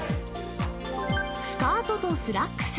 スカートとスラックス。